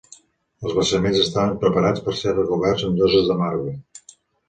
Els basaments estaven preparats per ser recoberts amb lloses de marbre.